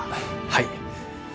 はい！